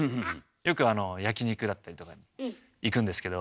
よく焼き肉だったりとかに行くんですけど。